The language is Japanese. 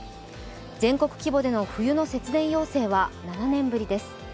全国規模での冬の節電要請は７年ぶりです。